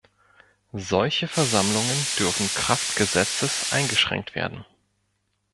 Solche Versammlungen dürfen kraft Gesetzes eingeschränkt werden.